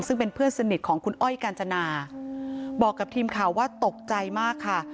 ซึ่งเป็นเพื่อนสนิทของคุณอ้อยกาญจนาบอกกับทีมข่าวว่าตกใจมากค่ะ